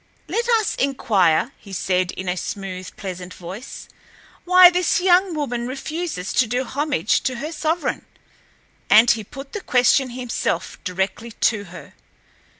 "Let us inquire," he said in a smooth, pleasant voice, "why this young woman refuses to do homage to her sovereign," and he put the question himself directly to her.